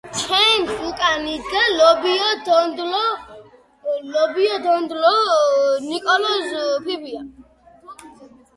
ზავი აღსტაფაში გაფორმდა.